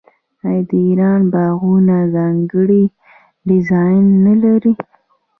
آیا د ایران باغونه ځانګړی ډیزاین نلري؟